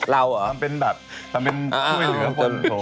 เราเหรอมันเป็นแบบทำเป็นช่วยเหลือคน